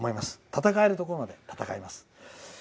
戦えるところまで戦います。